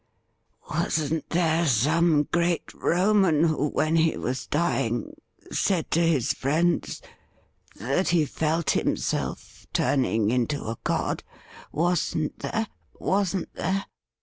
Wasn't there some great Roman who, when he was dying, said to his friends that he felt himself turning into a god? — wasn't there ? wasn't there